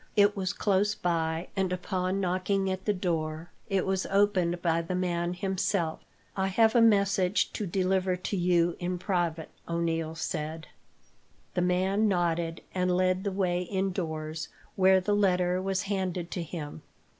It was close by, and upon knocking at the door, it was opened by the man himself. "I have a message to deliver to you, in private," O'Neil said. The man nodded, and led the way indoors, where the letter was handed to him.